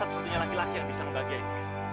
cuma gua satu satunya laki laki yang bisa menggagihain dia